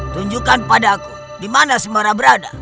tunjukkan padaku di mana semora berada